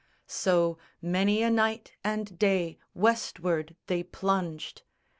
So many a night and day westward they plunged.